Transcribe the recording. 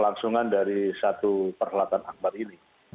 kelangsungan dari satu perhelatan akhbar ini